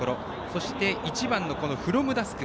そして、１番フロムダスク。